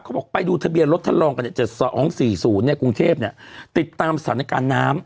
เขาบอกไปดูทะเบียนรถทะลองกันเนี่ยจะสองสี่ศูนย์เนี่ยกรุงเทพเนี่ยติดตามสถานการณ์น้ำ